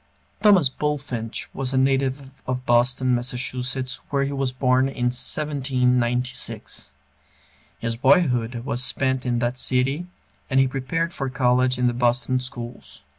Thomas Bulfinch was a native of Boston, Mass., where he was born in 1796. His boyhood was spent in that city, and he prepared for college in the Boston schools.